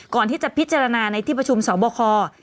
ก่อนที่จะพิจารณาในที่ประชุมสวบคร